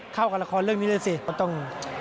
เข้ากับละครเรื่องนี้ว่าต้อง